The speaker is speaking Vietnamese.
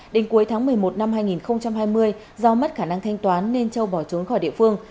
đến cuối tháng một mươi một năm hai nghìn hai mươi do mất khả năng thanh toán nên châu bỏ trốn khỏi địa phương